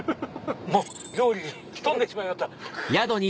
もう料理吹っ飛んでしまいました。